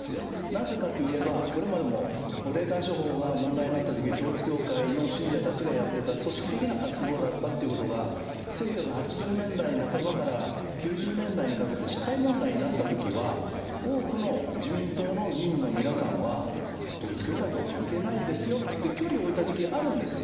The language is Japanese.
なぜかといえば、これまでも、霊感商法が問題になったとき、統一教会の信者たちがやってた組織的な活動だったっていうことが、１９８０年代半ばから９０年代にかけて社会問題になったときは、多くの自民党の議員の皆さんは、統一教会とは関係ないですよといって、距離を置いた時期、あるんです。